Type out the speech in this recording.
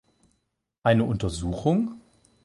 Eine Untersuchung?